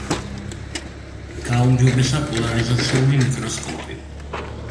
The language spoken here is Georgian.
გააუმჯობესა პოლარიზაციული მიკროსკოპი.